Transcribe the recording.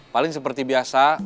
paling seperti biasa